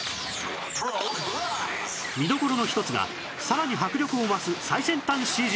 見どころの一つがさらに迫力を増す最先端 ＣＧ